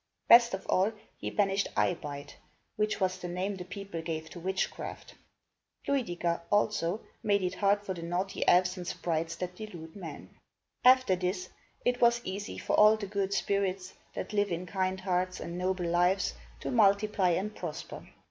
Best of all, he banished "eye bite," which was the name the people gave to witchcraft. Luid i ger, also, made it hard for the naughty elves and sprites that delude men. After this, it was easy for all the good spirits, that live in kind hearts and noble lives, to multiply and prosper.